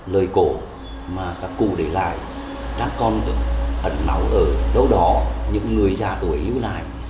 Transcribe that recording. lời cổ mà các cụ để lại đã còn ẩn máu ở đâu đó những người già tuổi lưu lại